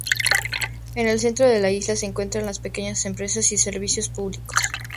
En el centro de la isla se encuentran las pequeñas empresas y servicios públicos.